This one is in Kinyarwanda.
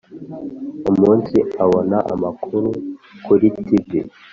umunsi abona amakuru kuri tivi